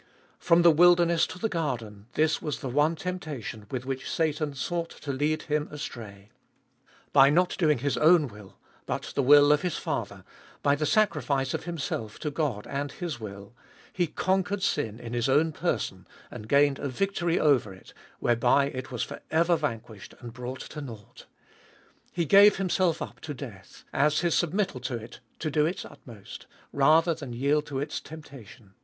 From the wilderness to the garden this was the one temptation with which Satan sought to lead Him astray. By doing not His own will but the will of His Father, by the sacrifice of Himself to God and His will, He conquered sin in His own person, and gained a victory over it whereby it was for ever vanquished and brought to nought. He gave Himself up to death, as His submittal to it to do its utmost, rather than yield to its temptation.